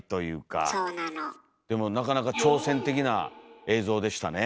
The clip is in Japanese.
でもなかなか挑戦的な映像でしたね。